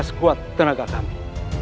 sekuat tenaga kami